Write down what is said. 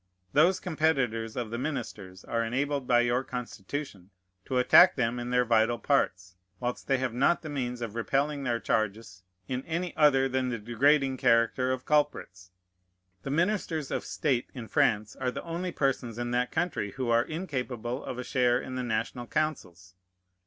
Those competitors of the ministers are enabled by your Constitution to attack them in their vital parts, whilst they have not the means of repelling their charges in any other than the degrading character of culprits. The ministers of state in Prance are the only persons in that country who are incapable of a share in the national councils.